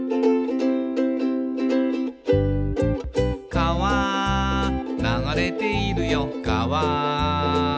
「かわ流れているよかわ」